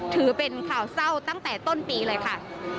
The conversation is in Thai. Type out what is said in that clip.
ถือเป็นข่าวเศร้าตั้งแต่ต้นปีเลยค่ะ